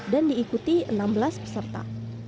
dan diikuti enam belas peserta